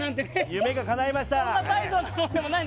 夢がかないました。